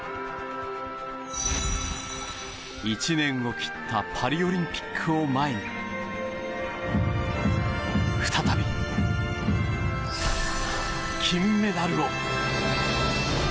１年を切ったパリオリンピックを前に再び、金メダルを！